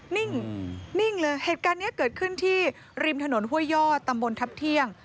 นิ่งนิ่งเลยเหตุการณ์นี้เกิดขึ้นที่ริมถนนห้วยยอดตำบลทัพเที่ยง